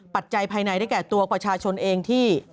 ปัจจัยภายในได้แก่ตัวประชาชนเองที่